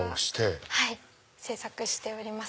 私が制作しております